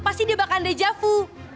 pasti dia bakal dejavu